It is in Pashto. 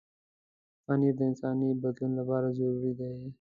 پنېر د انساني بدن لپاره ضروري دی.